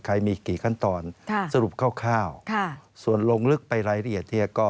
มีกี่ขั้นตอนสรุปคร่าวส่วนลงลึกไปรายละเอียดเนี่ยก็